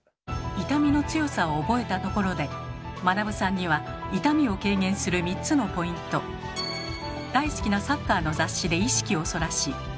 痛みの強さを覚えたところでまなぶさんには痛みを軽減する３つのポイント大好きなサッカーの雑誌で意識をそらし。